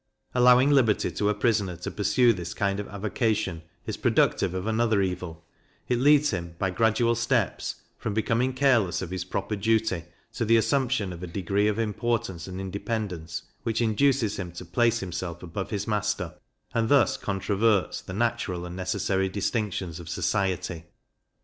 Allowing liberty to a prisoner to pursue this kind of avocation is productive of another evil; it leads him, by gradual steps, from becoming careless of his proper duty, to the assumption of a degree of importance and independence which induces him to place himself above his master, and thus controverts the natural and necessary distinctions of society.